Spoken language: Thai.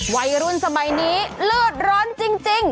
วัยรุ่นสมัยนี้เลือดร้อนจริง